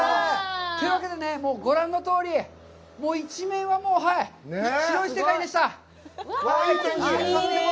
というわけで、ご覧のとおり、もう、一面、白い世界です。